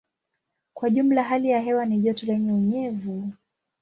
Kwa jumla hali ya hewa ni joto lenye unyevu.